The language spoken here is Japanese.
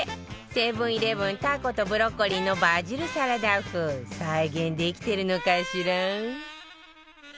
セブン−イレブンたことブロッコリーのバジルサラダ風再現できてるのかしら？